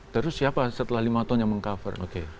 terus siapa setelah lima tahun yang meng cover